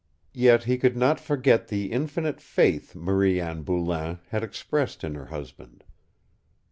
Yet he could not forget the infinite faith Marie Anne Boulain had expressed in her husband.